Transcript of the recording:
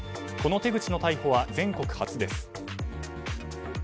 この手口の逮捕は全国初です。